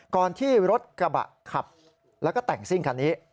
ก่อนที่รถกระบะขับแล้วก็แต่งซิ่งคันนี้